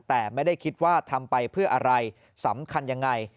แต่ไม่ได้คิดว่าทำไปเพื่ออะไรสำคัญยังไง